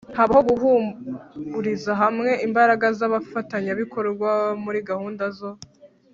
habaho guhuriza hamwe imbaraga z abafatanyabikorwa muri gahunda zo